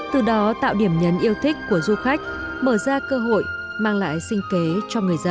từ đó tạo điểm nhấn yêu thích của du khách mở ra cơ hội mang lại sinh kế cho người dân